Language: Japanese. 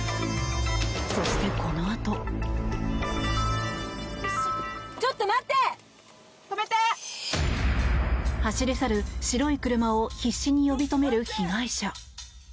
そして、このあと。走り去る白い車を必死に呼び止める被害者。